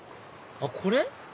あっこれ？